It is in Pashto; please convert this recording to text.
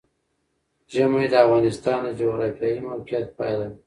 ژمی د افغانستان د جغرافیایي موقیعت پایله ده.